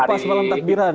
oh pas malam takbiran